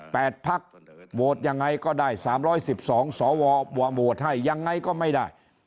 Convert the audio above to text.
๘ภาคโหวตยังไงก็ได้๓๑๒สว